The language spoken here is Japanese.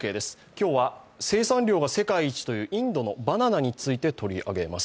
今日は生産量が世界一というインドのバナナについて取り上げます。